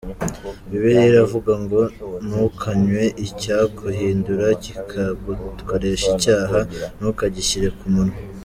Bibiliya iravuga ngo ntukanywe icyaguhindura kikagukoresha icyaha, ntukagishyire ku munwa.